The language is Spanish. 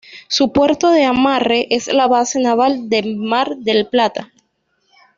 Su puerto de amarre es la Base Naval de Mar del Plata.